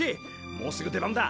もうすぐ出番だ！